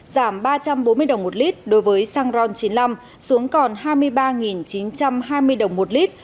giảm ba trăm bốn mươi đồng một lít đối với xăng ron chín mươi năm xuống còn hai mươi ba chín trăm hai mươi đồng một lít